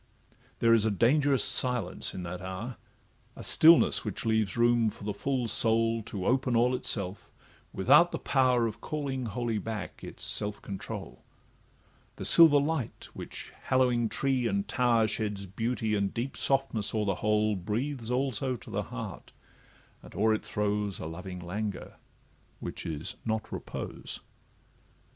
There is a dangerous silence in that hour, A stillness, which leaves room for the full soul To open all itself, without the power Of calling wholly back its self control; The silver light which, hallowing tree and tower, Sheds beauty and deep softness o'er the whole, Breathes also to the heart, and o'er it throws A loving languor, which is not repose.